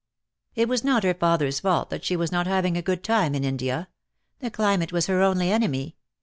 "It was not her father's fault that she was not having a good time in India. The climate was her only enemy.